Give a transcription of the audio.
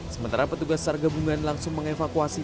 sementara petugas sarga bungan langsung mengevakuasi